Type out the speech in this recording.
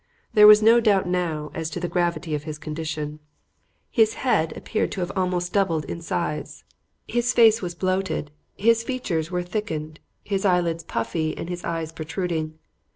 There was no doubt now as to the gravity of his condition. His head appeared almost to have doubled in size. His face was bloated, his features were thickened, his eyelids puffy and his eyes protruding.